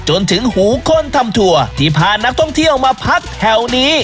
จนถึงหูคนทำถั่วที่พานักท่องเที่ยวมาพักแถวนี้